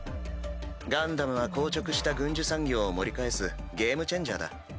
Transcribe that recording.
ガンダムは硬直した軍需産業を盛り返すゲームチェンジャーだ。